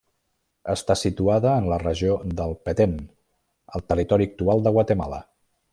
Està situada en la regió del Petén, al territori actual de Guatemala.